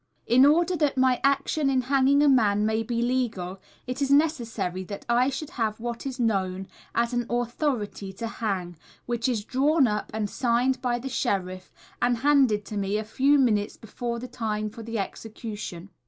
In order that my action in hanging a man may be legal, it is necessary that I should have what is known as an "authority to hang," which is drawn up and signed by the Sheriff, and handed to me a few minutes before the time for the execution.